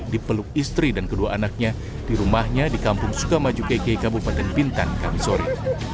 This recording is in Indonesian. dipeluk istri dan kedua anaknya di rumahnya di kampung sukamaju keke kabupaten bintan kamisori